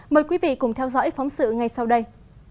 mời quý vị cùng theo dõi phóng sự ngay sau đây